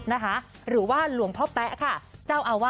หรือว่าหรือว่าหลวงพ่อแป๊ะก้าว